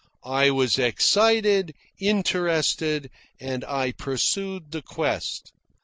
I was excited, interested, and I pursued the quest.